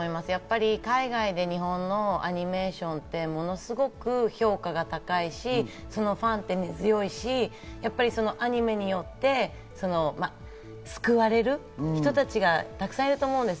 海外で日本のアニメーションって、ものすごく評価が高いし、ファンも根強いし、そのアニメによって救われる人たちがたくさんいると思うんです。